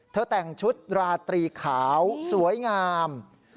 แต่งชุดราตรีขาวสวยงาม